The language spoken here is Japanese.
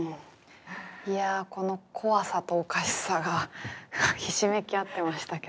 いやこの怖さとおかしさがひしめき合ってましたけど。